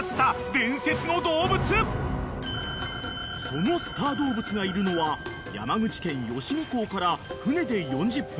［そのスター動物がいるのは山口県吉見港から船で４０分］